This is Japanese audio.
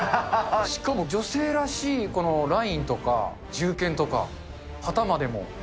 しかも、女性らしいこのラインとか、銃剣とか、旗までも。